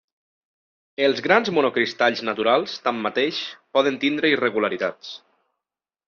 Els grans monocristalls naturals, tanmateix, poden tindre irregularitats.